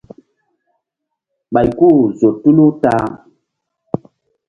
Ɓay ku-u zo tulu ta-a.